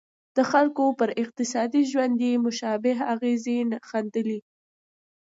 د خلکو پر اقتصادي ژوند یې مشابه اغېزې ښندلې.